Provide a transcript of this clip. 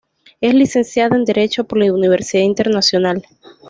Es licenciada en Derecho por la Universidad Internacional.